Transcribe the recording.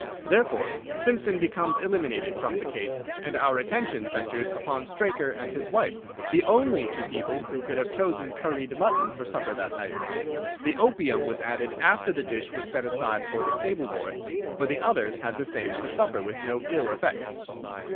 Therefore Simpson becomes eliminated from the case, and our attention centres upon Straker and his wife, the only two people who could have chosen curried mutton for supper that night. The opium was added after the dish was set aside for the stable boy, for the others had the same for supper with no ill effects.